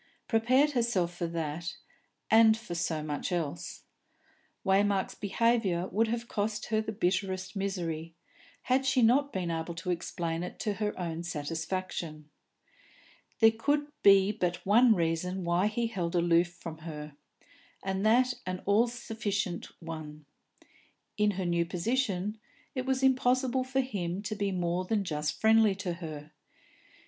Prepared herself, for that, and for so much else. Waymark's behaviour would have cost her the bitterest misery, had she not been able to explain it to her own satisfaction. There could be but one reason why he held aloof from her, and that an all sufficient one. In her new position, it was impossible for him to be more than just friendly to her.